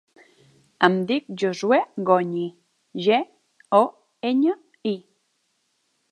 Em dic Josuè Goñi: ge, o, enya, i.